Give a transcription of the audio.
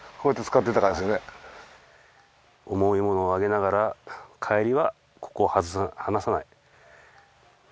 重いものを上げながらかえりはここを離さない。